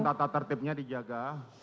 mohon tata tertibnya dijaga